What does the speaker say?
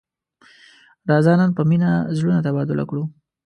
راځه نن په مینه زړونه تبادله کړو.